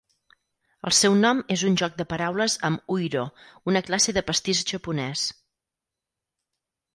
El seu nom és un joc de paraules amb "Uiro", una classe de pastís japonès.